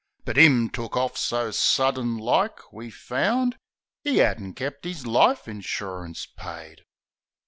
But, 'im took orf so sudden like, we found 'E 'adn't kept 'is life insurince paid.